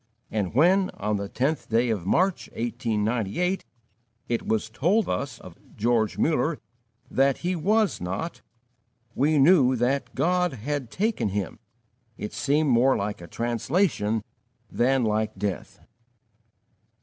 And when, on the tenth day of March, 1898, it was told us of George Muller that "he was not," we knew that "God had taken him": it seemed more like a translation than like death.